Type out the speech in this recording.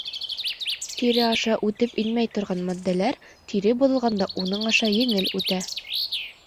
Тире аша үтеп инмәй торған матдәләр тире боҙолғанда уның аша еңел үтә.